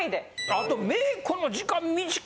あと。